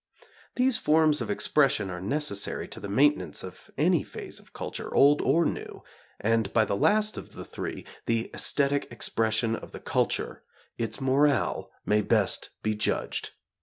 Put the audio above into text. These forms of expression are necessary to the maintenance of any phase of culture, old or new, and by the last of the three, the esthetic expression of the culture, its morale may best be judged.